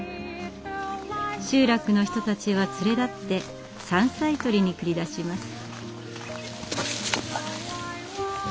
集落の人たちは連れ立って山菜採りに繰り出します。